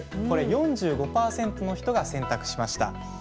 これ４５％の人が選択しました。